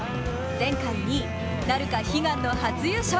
前回２位、なるか悲願の初優勝。